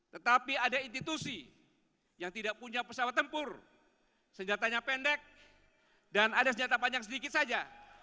tetapi ada institusi yang tidak punya pesawat tempur senjatanya pendek dan ada senjata panjang sedikit saja